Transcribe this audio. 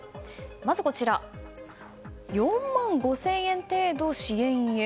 まず、４万５０００円程度支援へ。